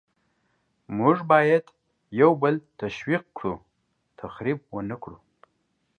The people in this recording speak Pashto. موږ باید یو بل تشویق کړو، تخریب ونکړو.